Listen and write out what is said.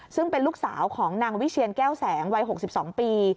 ซึ่งเป็นลูกสาวของนางวิเชียนแก้วแสงวัย๖๒ปี